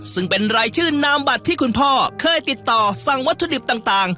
ซึ่งเป็นรายชื่อนามบัตรที่คุณพ่อเคยติดต่อสั่งวัตถุดิบต่าง